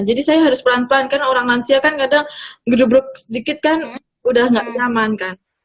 jadi saya harus pelan pelan karena orang lansia kan kadang gedugruk sedikit kan udah gak nyaman kan